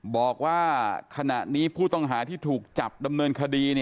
บอกว่าขณะนี้ผู้ต้องหาที่ถูกจับดำเนินคดี